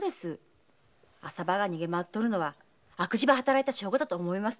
浅葉が逃げ回っとるのは悪事ば働いた証拠だと思います。